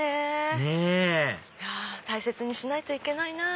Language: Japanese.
ねぇ大切にしないといけないなぁ。